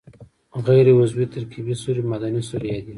غیر عضوي ترکیبي سرې معدني سرې یادیږي.